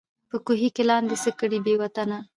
په کوهي کي لاندي څه کړې بې وطنه